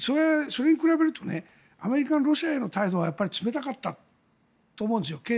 それに比べるとアメリカのロシアへの態度はやっぱり冷たかったと思うんですよ。